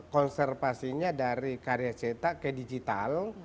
konservasinya dari karya cetak ke digital